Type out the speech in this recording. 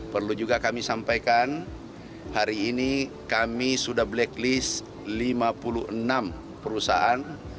perlu juga kami sampaikan hari ini kami sudah blacklist lima puluh enam perusahaan